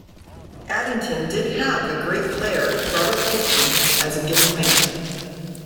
Addington did have the great player Robert Colchin as a given man.